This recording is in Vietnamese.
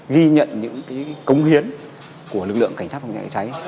ghi nhận những cống hiến của lực lượng cảnh sát phòng cháy cháy